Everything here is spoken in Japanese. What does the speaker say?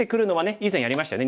以前やりましたね。